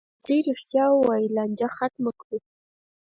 راځئ رښتیا ووایو، لانجه ختمه کړو.